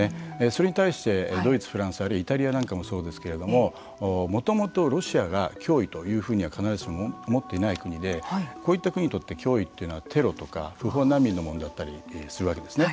それに対してドイツ、フランスあるいはイタリアなんかもそうですけれどももともとロシアが脅威というふうには必ずしも思っていない国でこういった国にとって脅威というのはテロとか不法難民の問題なわけですね。